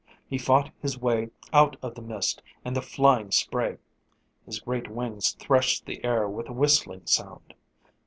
He fought his way out of the mist and the flying spray. His great wings threshed the air with a whistling sound.